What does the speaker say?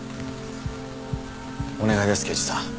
お願いです刑事さん。